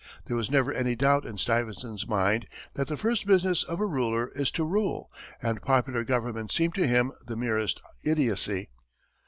There was never any doubt in Stuyvesant's mind that the first business of a ruler is to rule, and popular government seemed to him the merest idiocy.